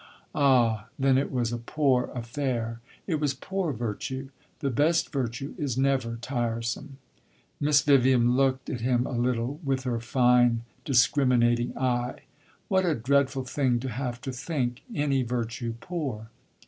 "Ah, then it was a poor affair. It was poor virtue. The best virtue is never tiresome." Miss Vivian looked at him a little, with her fine discriminating eye. "What a dreadful thing to have to think any virtue poor!"